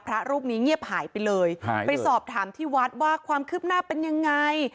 พระรูปนี้เงียบหายไปเลยไปสอบถามที่วัดว่าความคืบหน้าเป็นยังไง